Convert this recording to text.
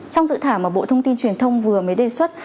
trong dự thảo mà bộ thông tin truyền thông vừa mới đề xuất